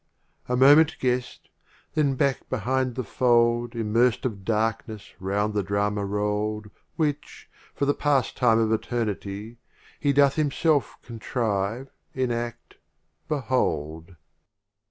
A moment guess' d — then back be hind the Fold Immerst of Darkness round the Drama rolPd Which, for the Pastime of Eter nity, He doth Himself contrive, enadt, behold.